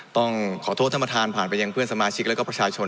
ต้องขอโทษท่านประธานผ่านไปยังเพื่อนสมาชิกแล้วก็ประชาชน